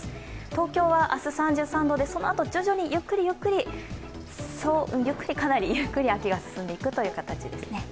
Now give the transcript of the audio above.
東京は明日、３３度ですがそのあと徐々にゆっくりゆっくり、かなりゆっくり秋が進んでいくという漢字ですね。